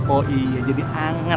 oh iya jadi anget